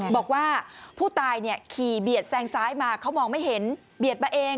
บอกว่าผู้ตายขี่เบียดแซงซ้ายมาเขามองไม่เห็นเบียดมาเอง